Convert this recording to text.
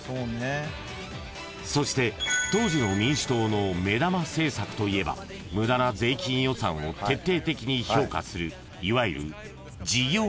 ［そして当時の民主党の目玉政策といえば無駄な税金予算を徹底的に評価するいわゆる］